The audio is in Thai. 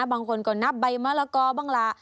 บางคนก็นับใบมะละกอบ้างล่ะ